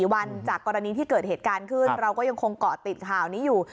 วันจากกรณีที่เกิดเหตุการณ์ขึ้นเราก็ยังคงเกาะติดข่าวนี้อยู่